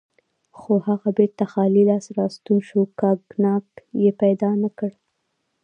خو هغه بیرته خالي لاس راستون شو، کاګناک یې پیدا نه کړ.